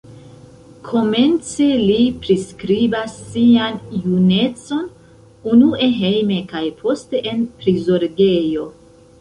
Komence li priskribas sian junecon, unue hejme kaj poste en prizorgejo.